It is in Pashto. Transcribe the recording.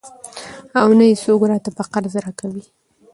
او نه يې څوک راته په قرض راکوي.